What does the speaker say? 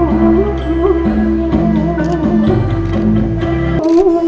สวัสดีครับ